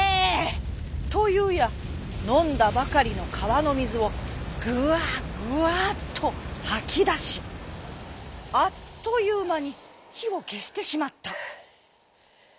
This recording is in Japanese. というやのんだばかりのかわのみずをグワグワっとはきだしあっというまにひをけしてしまった。